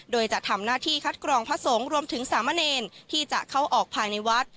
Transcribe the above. โดยจะทำหน้าที่คัดกรองพระสงฆ์รวมถึงสามเณรที่จะเข้าออกภายในวัด